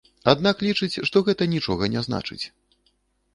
Аднак лічыць, што гэта нічога не значыць.